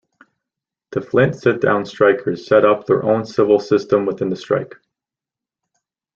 The Flint sit-down strikers set up their own civil system within the strike.